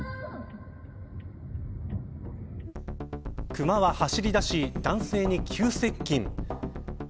クマは走り出し男性に急接近。